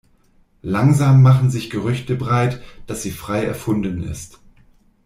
Langsam machen sich Gerüchte breit, dass sie frei erfunden ist.